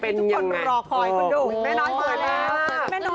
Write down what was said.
ที่ทุกคนรอคอยกันดู